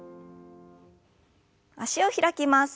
脚を開きます。